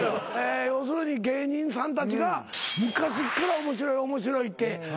要するに芸人さんたちが昔から面白い面白いって。